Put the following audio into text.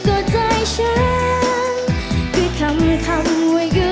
ก็คำเหมือนก่อแบบนี้